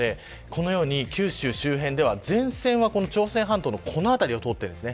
このように九州周辺では前線は朝鮮半島のこの辺りを通っているんです。